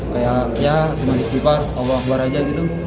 kayak ya cuma dikipas awal awal aja gitu